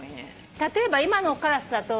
例えば今のカラスだと。